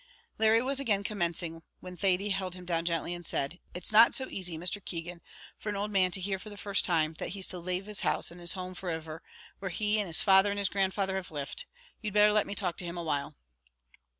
Larry was again commencing, when Thady held him down gently, and said, "It's not so asy, Mr. Keegan, for an old man to hear for the first time, that he's to lave his house and his home for iver; where he and his father and his grandfather have lived. You'd better let me talk to him a while."